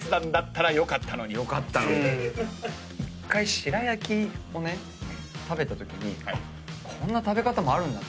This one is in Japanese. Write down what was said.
１回白焼を食べたときにこんな食べ方もあるんだって。